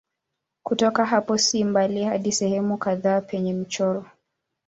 Kutoka hapo si mbali hadi sehemu kadhaa penye michoro.